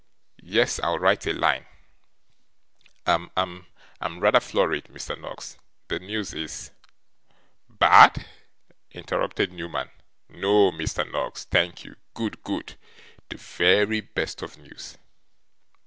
'Yes. I'll write a line. I'm I'm rather flurried, Mr. Noggs. The news is ' 'Bad?' interrupted Newman. 'No, Mr. Noggs, thank you; good, good. The very best of news.